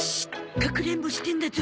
かくれんぼしてんだゾ。